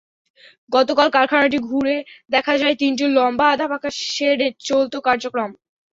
গতকাল কারখানাটি ঘুরে দেখা যায়, তিনটি লম্বা আধা পাকা শেডে চলত কার্যক্রম।